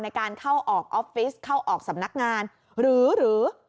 ในการเข้าออกออฟฟิศเข้าออกสำนักงานหรือหรือ